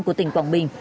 của tỉnh quảng bình